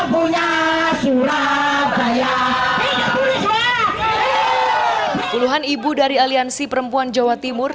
puluhan ibu dari aliansi perempuan jawa timur